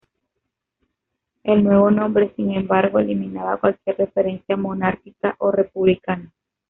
El nuevo nombre, sin embargo, eliminaba cualquier referencia monárquica o republicana.